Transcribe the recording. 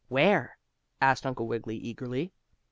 "Where?" asked Uncle Wiggily, eagerly.